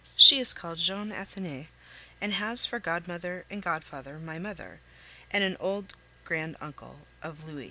She is called Jeanne Athenais, and has for godmother and godfather my mother, and an old grand uncle of Louis'.